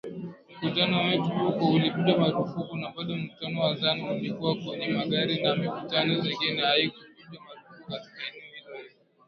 “Mkutano wetu huko ulipigwa marufuku na bado mkutano wa Zanu ulikuwa kwenye magari na mikutano mingine haikupigwa marufuku katika eneo hilo hilo"